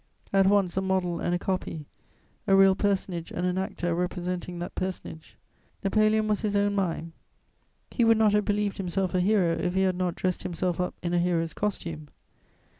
At once a model and a copy, a real personage and an actor representing that personage, Napoleon was his own mime; he would not have believed himself a hero, if he had not dressed himself up in a hero's costume.